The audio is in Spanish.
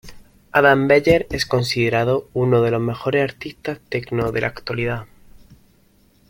Adam Beyer es considerado uno de los mejores artistas techno de la actualidad.